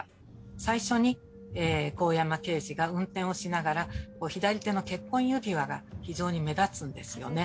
最初に香山刑事が運転をしながら左手の結婚指輪が非常に目立つんですよね。